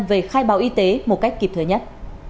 về khai báo y tế một cách kịp thời nhất